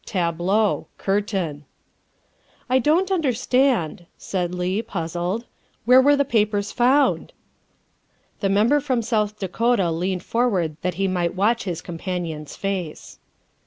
Tableau. Curtain." " I don't understand," said Leigh, puzzled. " Where were the papers found?" The Member from South Dakota leaned forward that he might watch his companion's face.